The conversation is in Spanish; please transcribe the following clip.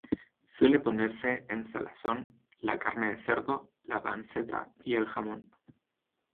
Suele ponerse en salazón la carne de cerdo, la panceta y el jamón.